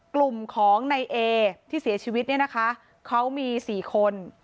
กลุ่มของในเอที่เสียชีวิตเนี่ยนะคะเขามี๔คน